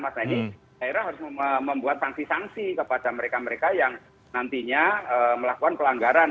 nah ini daerah harus membuat sanksi sanksi kepada mereka mereka yang nantinya melakukan pelanggaran